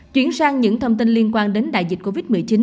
chuyển sang những thông tin liên quan đến đại dịch covid một mươi chín